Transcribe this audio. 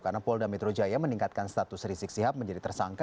karena polda metro jaya meningkatkan status rizik sihab menjadi tersangka